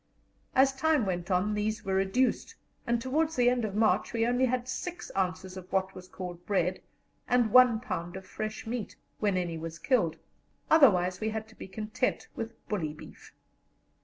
As time went on these were reduced, and towards the end of March we only had 6 ounces of what was called bread and 1 pound of fresh meat, when any was killed; otherwise we had to be content with bully beef.